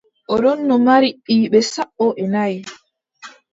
O ɗonno mari ɓiɓɓe sappo e nay.